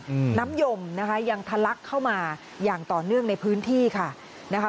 อืมน้ำยมนะคะยังทะลักเข้ามาอย่างต่อเนื่องในพื้นที่ค่ะนะคะ